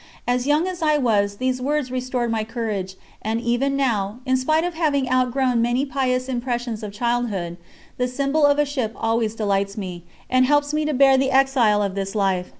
Young as I was, these words restored my courage, and even now, in spite of having outgrown many pious impressions of childhood, the symbol of a ship always delights me and helps me to bear the exile of this life.